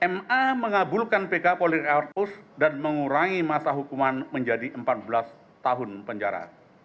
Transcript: ma mengabulkan pk polikarpus dan mengurangi masa hukuman menjadi empat belas tahun penjara